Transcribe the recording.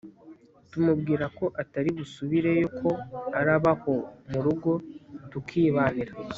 tumubwira ko atari busubire yo ko araba aho murugo tukibanira